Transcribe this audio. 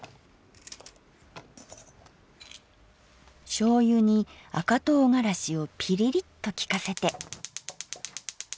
醤油に赤とうがらしをピリリと利かせて。